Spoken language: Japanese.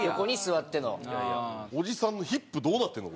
おじさんのヒップどうなってんの？